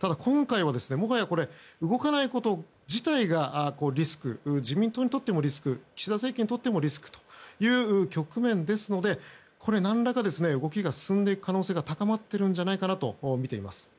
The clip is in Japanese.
ただ、今回はもはや動かないこと自体が自民党にとってもリスクで岸田政権にとってもリスクという局面ですので何らかの動きが進む可能性が高まっているとみています。